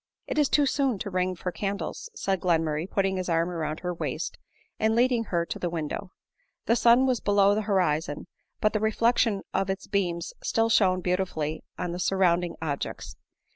" It is too soon to ring for candles," said Glenmurray, putting his arm round her waist and leading her to the window. The sun was below the horizon, but the re flection of its beams still shone beautifully on the sur rounding objects.